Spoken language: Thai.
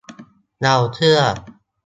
เราเชื่อ